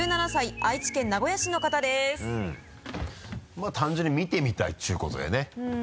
まぁ単純に見てみたいっていうことでね。